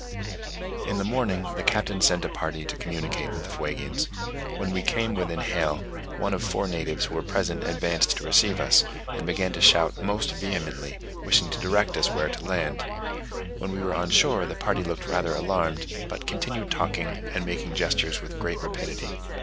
In the morning the Captain sent a party to communicate with the Fuegians. When we came within hail, one of the four natives who were present advanced to receive us, and began to shout most vehemently, wishing to direct us where to land. When we were on shore the party looked rather alarmed, but continued talking and making gestures with great rapidity.